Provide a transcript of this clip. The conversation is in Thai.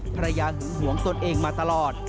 ภรรยาหึงหวงตนเองมาตลอด